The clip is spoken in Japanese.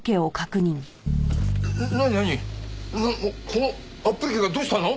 このアップリケがどうしたの？